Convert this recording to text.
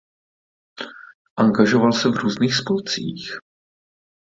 Angažoval se v různých spolcích.